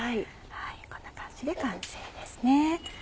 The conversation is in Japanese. こんな感じで完成ですね。